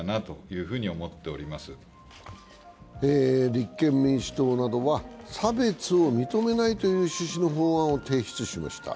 立憲民主党などは、差別を認めないという趣旨の法案を提出しました。